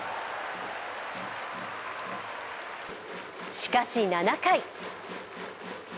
しかし７回。